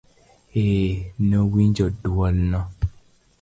eeee, Nowinjo duol no.